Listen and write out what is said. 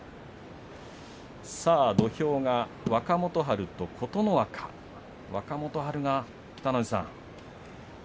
土俵が若元春と琴ノ若若元春が、北の富士さん。